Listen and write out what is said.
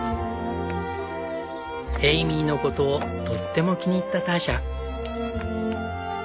エイミーのことをとっても気に入ったターシャ。